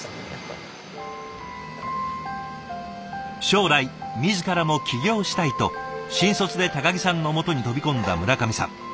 将来自らも起業したいと新卒で木さんのもとに飛び込んだ村上さん。